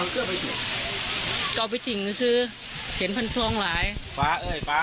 ก็เอาไปถึงชื่อเห็นพันทร่องหลายป๊าเอ๊ยป๊า